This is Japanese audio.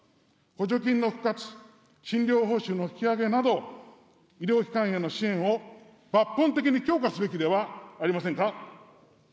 補助金の復活、診療報酬の引き上げなど、医療機関への支援を抜本的に強化すべきではありませんか。